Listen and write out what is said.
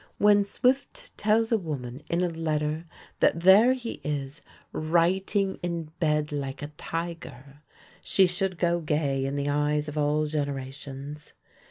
When Swift tells a woman in a letter that there he is "writing in bed, like a tiger," she should go gay in the eyes of all generations.